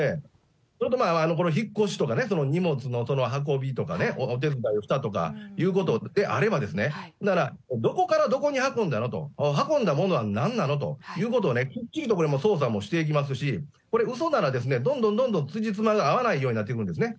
それとこの引っ越しとか荷物の運びとかね、お手伝いをしたということであればですね、どこからどこに運んだのと、運んだものはなんなのということをね、きっちりと捜査をしていきますし、これ、うそなら、どんどんどんどん、つじつまが合わないようになっていくんですね。